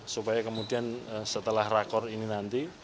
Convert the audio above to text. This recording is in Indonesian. supaya kemudian setelah rakor ini nanti